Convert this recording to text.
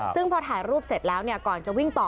ซึ่งพอถ่ายรูปเสร็จแล้วก่อนจะวิ่งต่อ